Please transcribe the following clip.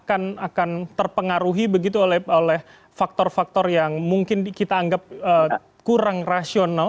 akan terpengaruhi begitu oleh faktor faktor yang mungkin kita anggap kurang rasional